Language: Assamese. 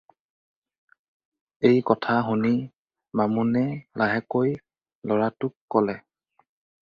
এই কথা শুনি বামুণে লাহেকৈ ল'ৰাটোক ক'লে